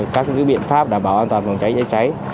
các biện pháp đảm bảo an toàn phòng cháy cháy